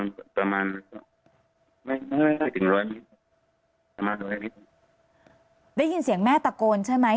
ถึงร้อยนิดประมาณร้อยนิดได้ยินเสียงแม่ตะโกนใช่ไหม